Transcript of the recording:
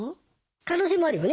可能性もあるよね。